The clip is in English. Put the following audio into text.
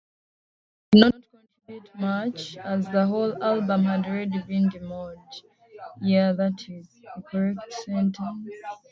He did not contribute much, as the whole album had already been demoed.